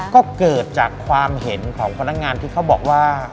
ก็เกิดจากความเห็นของพนักงานที่เขาบอกว่า